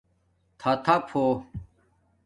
تھاتھپ ہݸ